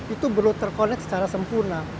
itu belum terkonek secara sempurna